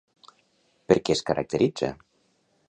Per què es caracteritza?